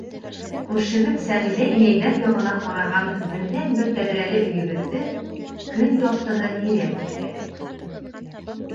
Күршебеҙ Сәғиҙә инәйҙәр яғына ҡараған берҙән-бер тәҙрәле өйөбөҙҙө көн яҡтыһы һирәк иркәләй.